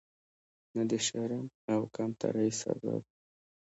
نه د شرم او کمترۍ سبب.